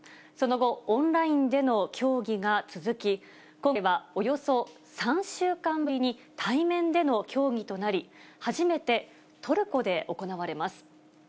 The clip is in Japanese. その後、オンラインでの協議が続き、今回はおよそ３週間ぶりに、対面での協議となり、初めてトルコで行われます。